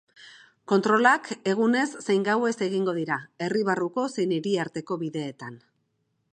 Kontrolak egunez zein gauez egingo dira, herri barruko zein hiriarteko bideetan.